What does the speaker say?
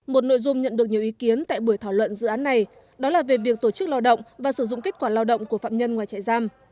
một nội dung nhận được nhiều ý kiến tại buổi thảo luận dự án này đó là về việc tổ chức lao động và sử dụng kết quả lao động của phạm nhân ngoài chạy giam